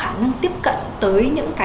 họ không có khả năng tiếp cận tới những cái